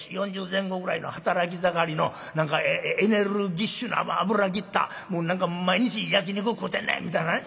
４０前後ぐらいの働き盛りの何かエネルギッシュな脂ぎった毎日焼き肉食うてんねんみたいなね